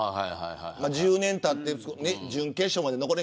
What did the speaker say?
１０年たって、準決勝まで残れ